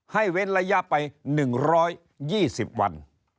เว้นระยะไป๑๒๐วัน